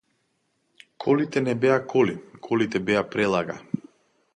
Колите не беа коли, колите беа прелага.